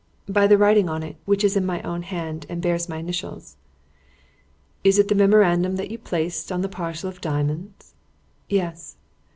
"By the writing on it, which is in my own hand, and bears my initials." "Is it the memorandum that you placed on the parcel of diamonds?" "Yes."